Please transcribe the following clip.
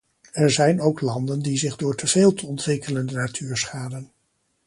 Er zijn ook landen die door zich teveel te ontwikkelen de natuur schaden.